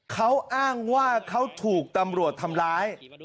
เขาอ้างว่าเขาถูกตำรวจทำร้าย